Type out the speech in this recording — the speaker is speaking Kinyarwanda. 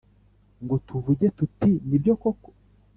ngo tuvuge tuti «Ni byo koko»?